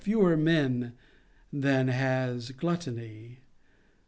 263 fewer men than has gluttony.